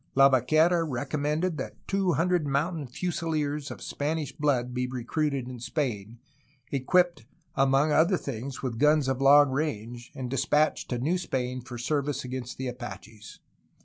Labaquera recommended that two hundred mountain fusileers of Spanish blood be recruited in Spain, equipped among other things with guns of long range, and despatched to New Spain for service against the Apaches.